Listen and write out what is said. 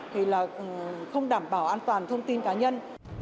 thì là không đảm bảo an toàn thông tin cá nhân